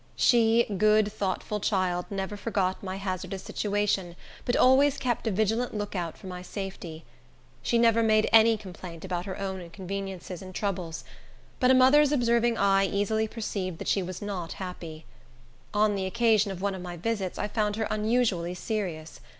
She, good thoughtful child, never forgot my hazardous situation, but always kept a vigilant lookout for my safety. She never made any complaint about her own inconveniences and troubles; but a mother's observing eye easily perceived that she was not happy. On the occasion of one of my visits I found her unusually serious.